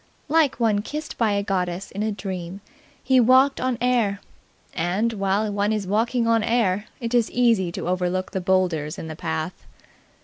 Like one kissed by a goddess in a dream, he walked on air; and, while one is walking on air, it is easy to overlook the boulders in the path.